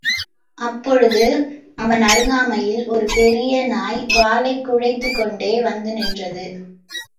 அப்பொழுது– அவன் அருகாமையில் ஒரு பெரிய நாய் வாலைக் குழைத்துக் கொண்டே வந்து நின்றது.